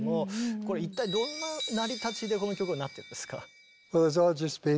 これ一体どんな成り立ちでこの曲はなってるんですか？